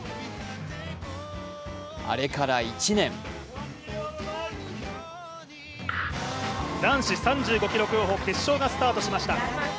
あれから１年男子３５ｋｍ競歩決勝がスタートしました。